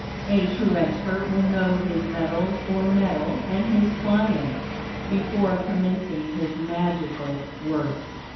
A true expert will know his metals, or metal, and his client, before commencing his magical work.